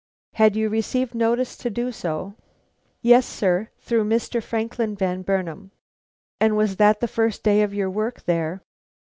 "Had you received notice to do so?" "Yes, sir, through Mr. Franklin Van Burnam." "And was that the first day of your work there?"